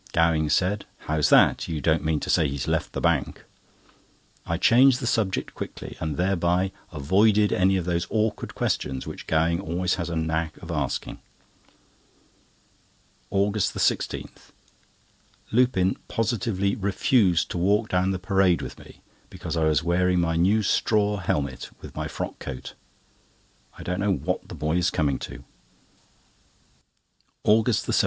Gowing said: "How's that? You don't mean to say he's left the Bank?" I changed the subject quickly, and thereby avoided any of those awkward questions which Gowing always has a knack of asking. AUGUST 16.—Lupin positively refused to walk down the Parade with me because I was wearing my new straw helmet with my frock coat. I don't know what the boy is coming to. AUGUST 17.